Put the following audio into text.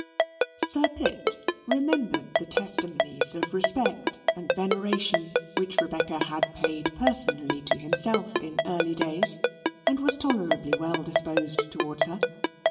Sir Pitt remembered the testimonies of respect and veneration which Rebecca had paid personally to himself in early days, and was tolerably well disposed towards her.